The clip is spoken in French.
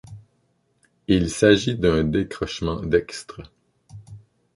Il s'agit d'un décrochement dextre.